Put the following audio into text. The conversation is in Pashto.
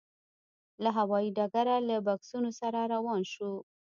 له هوايي ډګره له بکسونو سره روان شوو.